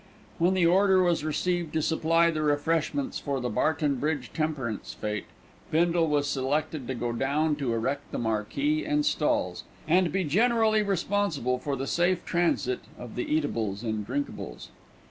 When the order was received to supply the refreshments for the Barton Bridge Temperance Fête, Bindle was selected to go down to erect the marquee and stalls, and be generally responsible for the safe transit of the eatables and drinkables.